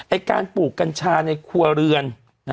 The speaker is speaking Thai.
การปลูกกัญชาในครัวเรือน